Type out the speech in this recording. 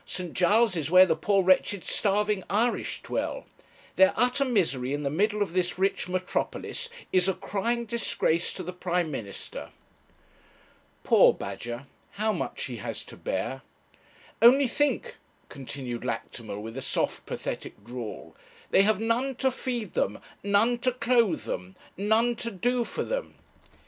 'St Giles' is where the poor wretched starving Irish dwell. Their utter misery in the middle of this rich metropolis is a crying disgrace to the Prime Minister.' Poor Badger, how much he has to bear! 'Only think,' continued Lactimel, with a soft pathetic drawl, 'they have none to feed them, none to clothe them, none to do for them!'